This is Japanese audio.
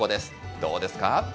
どうですか？